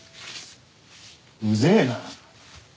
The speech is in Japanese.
うぜえな。